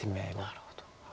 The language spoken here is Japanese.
なるほど。